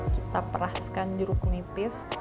kita peraskan jeruk nipis